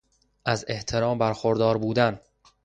از احترام بر خوردار بودن